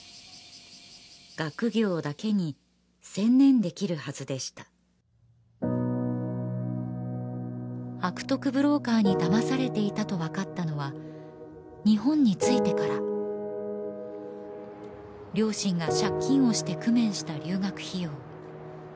学業だけに専念できるはずでした悪徳ブローカーにだまされていたとわかったのは日本に着いてから両親が借金をして工面した留学費用